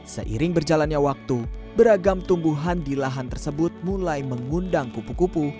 seiring berjalannya waktu beragam tumbuhan di lahan tersebut mulai mengundang kupu kupu